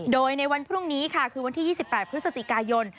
โดยในวันพรุ่งนี้ค่ะคือวันที่๒๘พฤศจิกายน